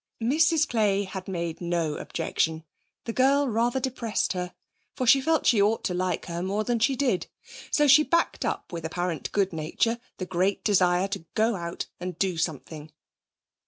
Mrs. Clay had made no objection; the girl rather depressed her, for she felt she ought to like her more than she did, so she 'backed up' with apparent good nature the great desire to go out and do something.